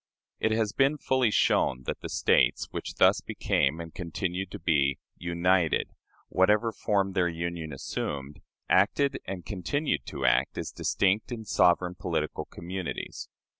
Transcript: It has been fully shown that the States which thus became and continued to be "united," whatever form their union assumed, acted and continued to act as distinct and sovereign political communities.